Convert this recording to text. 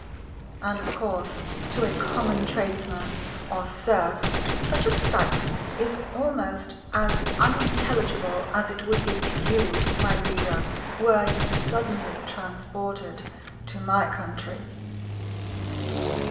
And of course to a common Tradesman, or Serf, such a sight is almost as unintelligible as it would be to you, my Reader, were you suddenly transported to my country.